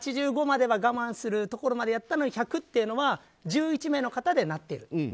８５までは我慢するところまでやったのに、１００というのは１１名の方でなっている。